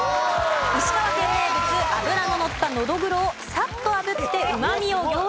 石川県名物脂ののったのどぐろをサッと炙ってうまみを凝縮。